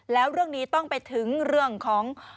แล้วเรื่องนี้ต้องไปถึงเรื่องของ